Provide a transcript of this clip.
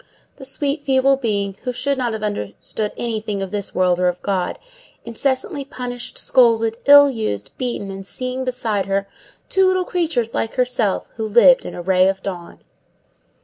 The sweet, feeble being, who should not have understood anything of this world or of God, incessantly punished, scolded, ill used, beaten, and seeing beside her two little creatures like herself, who lived in a ray of dawn!